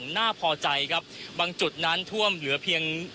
คุณทัศนาควดทองเลยค่ะ